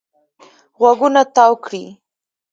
غوږونه تاو کړي.